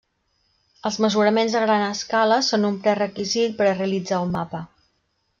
Els mesuraments a gran escala són un prerequisit per a realitzar un mapa.